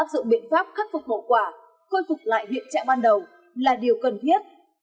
dựng biện pháp khắc phục hậu quả khôi phục lại hiện trạng ban đầu là điều cần thiết